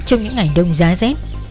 trong những ngày đông giá dép